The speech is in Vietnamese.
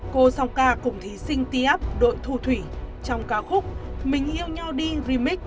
trong ca cùng thí sinh tf đội thù thủy trong ca khúc mình yêu nhau đi remix